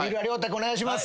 お願いします。